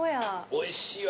おいしいわこれ。